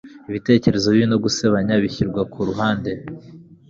Ibitekerezo bibi no gusebanya bishyirwa ku ruhande.